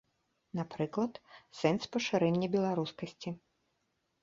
Напрыклад, сэнс пашырэння беларускасці.